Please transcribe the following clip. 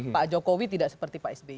pak jokowi tidak seperti pak sby